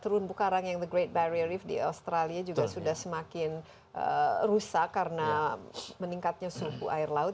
terun bukarang yang the great barrier reef di australia juga sudah semakin rusak karena meningkatnya suhu air laut